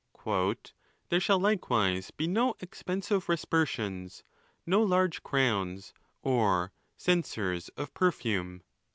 P ON THE LAWS. 457. "There shall likewise be no expensive respersions, no large crowns, or censers of perfume."